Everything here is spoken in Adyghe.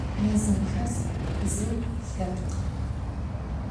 Mezım xes bzıu lhepkh.